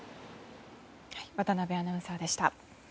渡辺アナウンサーでした。